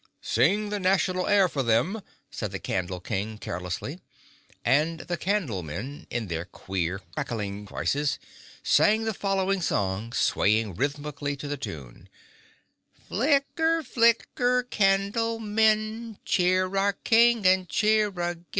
"Sing the National Air for them," said the Candle King carelessly and the Candlemen, in their queer crackling voices, sang the following song, swaying rhythmically to the tune: "Flicker, flicker, Candlemen, Cheer our King and cheer again!